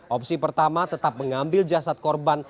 opsi pertama tetap mengambil jasad korban